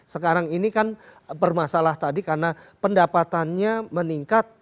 sekarang ini kan bermasalah tadi karena pendapatannya meningkat